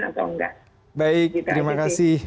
atau enggak baik terima kasih